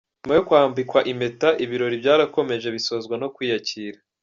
Nyuma yo kwambikwa impeta, ibirori byarakomeje bisozwa no kwiyakira.